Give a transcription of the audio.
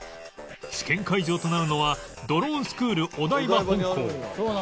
試験会場となるのはドローンスクールお台場本校